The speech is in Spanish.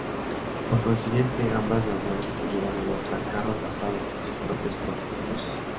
Por consiguiente, ambas naciones decidieron adoptar carros basados en sus propios prototipos.